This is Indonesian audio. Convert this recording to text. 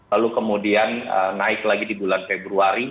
lalu kemudian naik lagi di bulan februari